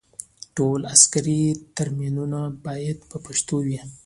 ټول عسکري تمرینونه باید په پښتو وي.